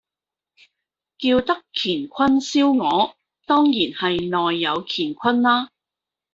叫得乾坤燒鵝，當然係內有乾坤啦